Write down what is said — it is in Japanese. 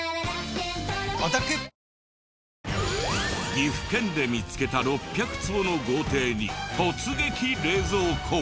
岐阜県で見つけた６００坪の豪邸に突撃冷蔵庫！